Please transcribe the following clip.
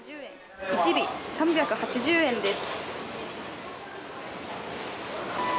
１尾３８０円です。